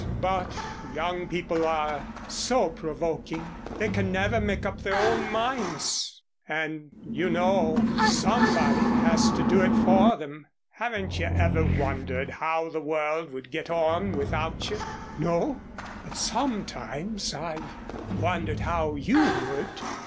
But young people are so provoking. They can never make up their own minds, and you know somebody has to do it for them." "Haven't you ever wondered how the world would get on without you?" "No, but sometimes I've wondered how you would."